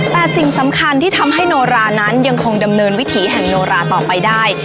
แต่สิ่งสำคัญที่ทำให้โนรานั้นยังคงดำเนินวิถีแห่งโนราต่อไปได้